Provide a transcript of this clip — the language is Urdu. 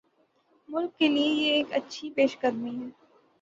ملک کیلئے یہ ایک اچھی پیش قدمی ہے۔